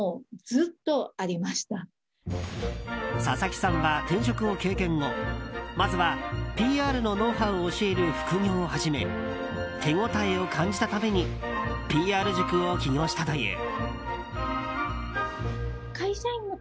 笹木さんは転職を経験後まずはＰＲのノウハウを教える副業を始め手応えを感じたためにＰＲ塾を起業したという。